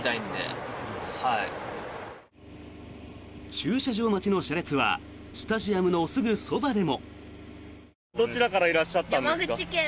駐車場待ちの車列はスタジアムのすぐそばでも。